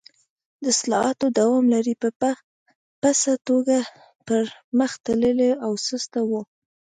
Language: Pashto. د اصلاحاتو دوام لړۍ په پڅه توګه پر مخ تلله او سست و.